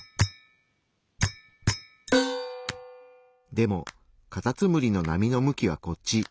でもカタツムリの波の向きはこっち。